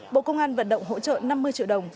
bộ công an vận động hỗ trợ năm mươi triệu đồng